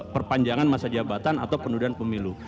perpanjangan masa jabatan atau pendudukan pemilu